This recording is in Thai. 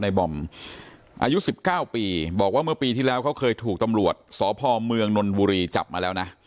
บอมอายุ๑๙ปีบอกว่าเมื่อปีที่แล้วเขาเคยถูกตำรวจสพเมืองนนบุรีจับมาแล้วนะ